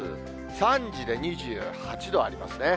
３時で２８度ありますね。